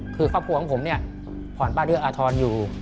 คือครอบครัวของผมผ่อนป้าเลือดอาทรอยู่